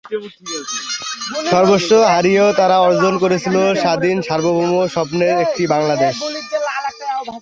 সর্বস্ব হারিয়েও তারা অর্জন করেছিল স্বাধীন সার্বভৌম স্বপ্নের একটি বাংলাদেশ।